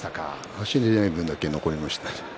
足が出ない分だけ残りました。